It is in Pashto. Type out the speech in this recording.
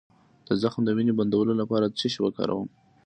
د زخم د وینې بندولو لپاره څه شی وکاروم؟